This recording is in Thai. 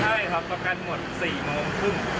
ใช่ครับประกันหมด๔โมงครึ่ง